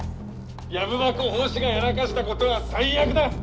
藪箱法師がやらかしたことは最悪だッ！